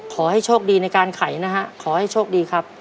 ขอให้โชคดีในการไขนะฮะขอให้โชคดีครับ